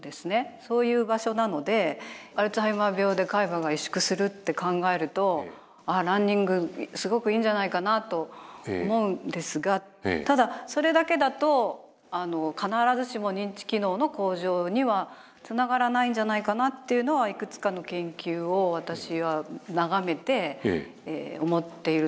そういう場所なのでアルツハイマー病で海馬が萎縮するって考えるとランニングすごくいいんじゃないかなと思うんですがただそれだけだと必ずしも認知機能の向上にはつながらないんじゃないかなっていうのはいくつかの研究を私は眺めて思っているところです。